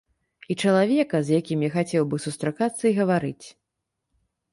І чалавека, з якім я хацеў бы сустракацца і гаварыць.